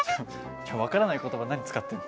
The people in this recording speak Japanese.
分からない言葉何使ってんの？